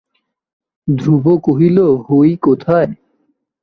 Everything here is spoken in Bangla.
ধ্রুব কহিল, হয়ি কোথায়?